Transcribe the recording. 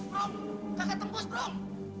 bram kagak tembus bram